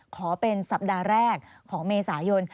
ขอเป็นสัปดาห์แรกของเมษายน